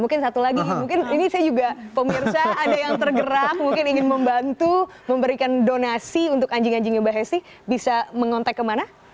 mungkin satu lagi mungkin ini saya juga pemirsa ada yang tergerak mungkin ingin membantu memberikan donasi untuk anjing anjingnya mbak hesti bisa mengontak kemana